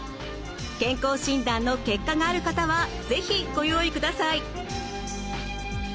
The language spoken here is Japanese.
健康診断の結果がある方は是非ご用意ください。